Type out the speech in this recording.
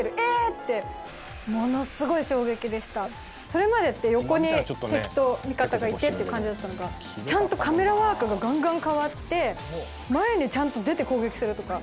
それまでって横に敵と味方がいてっていう感じだったのがちゃんと、カメラワークがガンガン変わって前に、ちゃんと出て攻撃するとか。